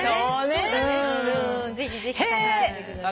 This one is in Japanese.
ぜひぜひ楽しんでください。